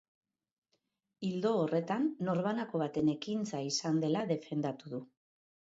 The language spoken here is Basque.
Ildo horretan, norbanako baten ekintza izan dela defendatu du.